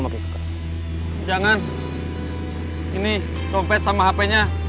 masih pakai coache